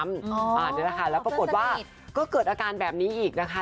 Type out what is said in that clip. อ๋อเครื่องสติดนะคะแล้วก็ปรากฏว่าก็เกิดอาการแบบนี้อีกนะคะ